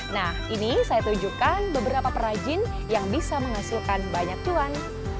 nah ini saya tunjukkan beberapa perajin yang bisa menghasilkan banyak cuan